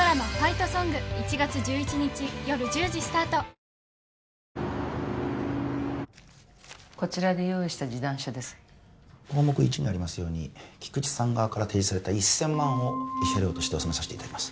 ☎めんどくせーな今すぐ戻って・こちらで用意した示談書です項目１にありますように菊池さん側から提示された一千万を慰謝料として納めさせていただきます